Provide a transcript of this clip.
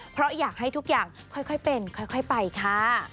เพราะอยากให้ทุกอย่างค่อยเป็นค่อยไปค่ะ